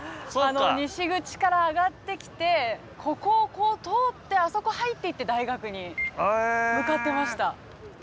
あの西口から上がってきてここをこう通ってあそこ入っていって大学に向かってました。